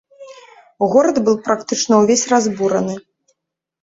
Горад быў практычна ўвесь разбураны.